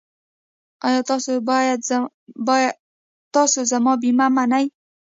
ایا تاسو زما بیمه منئ؟